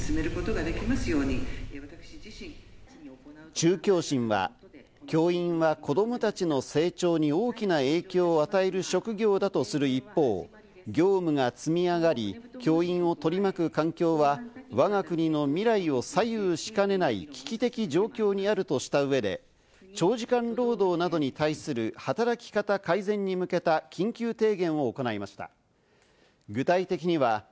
中教審は教員は子どもたちの成長に大きな影響を与える職業だとする一方、業務が積み上がり、教員を取り巻く環境は、わが国の未来を左右しかねない危機的状況にあるとした上で、長時間労働などに対する働き方改善に向けた緊急提言を行いました。